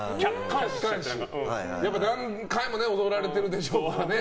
何回も踊られてるでしょうから。